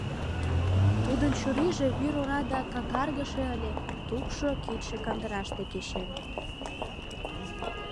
Тудын чурийже вӱр ора да какаргыше ыле, тугшо кидше кандыраште кечен.